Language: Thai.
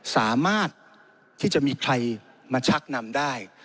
สามารถที่จะมีใครมาชักนำได้